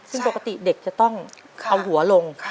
ซึ่งปกติเด็กจะต้องเอาหัวลง